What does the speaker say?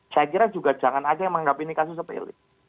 saya kira juga jangan ada yang menganggap ini kasus sepele